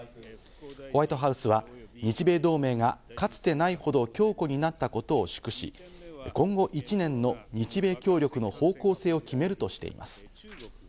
ホワイトハウスは日米同盟がかつてないほど強固になったことを祝し、今後１年の日米協力の方向性を決めるとしています。